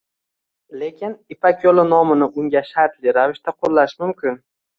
Lekin „ipak yoʻli“ nomini unga shartli ravishda qoʻllash mumkin.